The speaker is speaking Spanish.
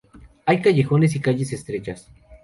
Hay callejones y calles estrechas.